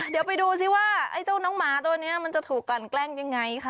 เดี๋ยวไปดูซิว่าน้องหมาตัวนี้มันจะถูกก่อนแกล้งอย่างไรคะ